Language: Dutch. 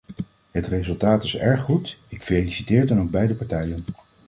Het resultaat is erg goed, ik feliciteer dan ook beide partijen.